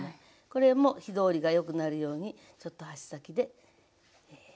これも火通りがよくなるようにちょっと箸先で。